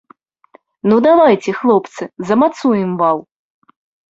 Ну, давайце, хлопцы, замацуем вал.